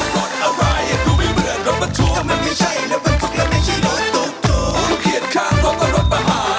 สวัสดีครับ